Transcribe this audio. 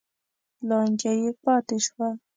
لانجه یې پاتې شوه.